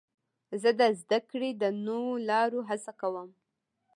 زه د زدهکړې د نوو لارو هڅه کوم.